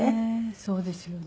そうですよね。